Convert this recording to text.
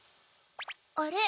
あれ？